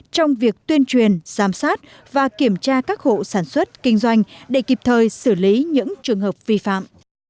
trong việc tuyên truyền giám sát và kiểm tra các hộ sản xuất kinh doanh để kịp thời xử lý những trường hợp vi phạm